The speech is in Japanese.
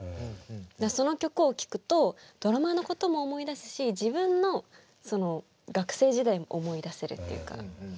だからその曲を聴くとドラマのことも思い出すし自分の学生時代も思い出せるっていうか。